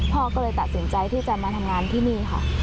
พ่อก็เลยตัดสินใจที่จะมาทำงานที่นี่ค่ะ